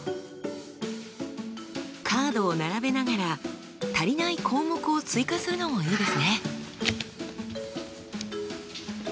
カードを並べながら足りない項目を追加するのもいいですね。